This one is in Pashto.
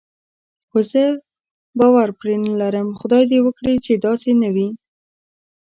خو زه باور پرې نه لرم، خدای دې وکړي چې داسې نه وي.